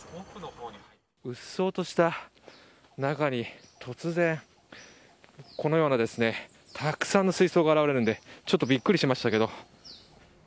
うっそうとした中に、突然、このようなたくさんの水槽が現れるんで、ちょっとびっくりしましたけど。